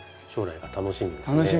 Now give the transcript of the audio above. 将来が楽しみですね。